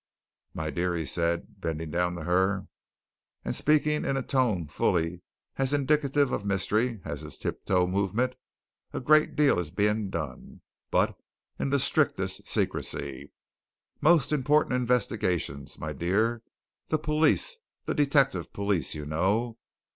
"My dear!" he said, bending down to her and speaking in a tone fully as indicative of mystery as his tip toe movement, "a great deal is being done but in the strictest secrecy! Most important investigations, my dear! the police, the detective police, you know.